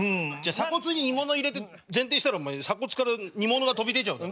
鎖骨に煮物入れて前転したら鎖骨から煮物が飛び出ちゃうだろ？